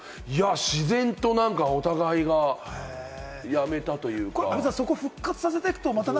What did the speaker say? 自然とお互いがやめたというか。